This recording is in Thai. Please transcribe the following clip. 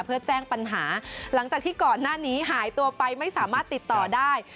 เพื่อแจ้งปัญหาหลังจากที่ก่อนหน้านี้หายตัวไปไม่สามารถติดต่อได้